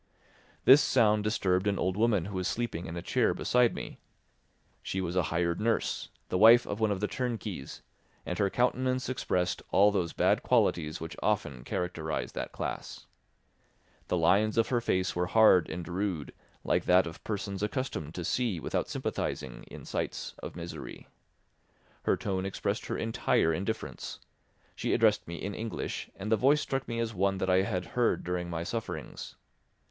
This sound disturbed an old woman who was sleeping in a chair beside me. She was a hired nurse, the wife of one of the turnkeys, and her countenance expressed all those bad qualities which often characterise that class. The lines of her face were hard and rude, like that of persons accustomed to see without sympathising in sights of misery. Her tone expressed her entire indifference; she addressed me in English, and the voice struck me as one that I had heard during my sufferings.